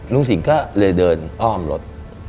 ลุงสิงห์ก็เลยเดินอ้อมรถ